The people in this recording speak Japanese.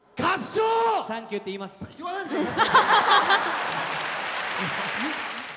言わないで下さい。